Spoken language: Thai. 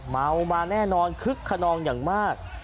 เมามาแน่นอนคึกขนองอย่างมาก